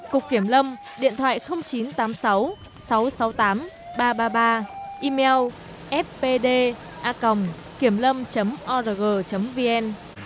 cục kiểm lâm điện thoại chín trăm tám mươi sáu sáu trăm sáu mươi tám ba trăm ba mươi ba email fpdacom org vn